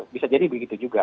bisa jadi begitu juga